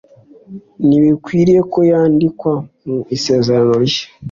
ntibikwiriye ko yandikwa mu Isezerano Rishya